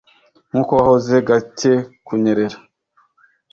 Nkuko wahoze gake kunyerera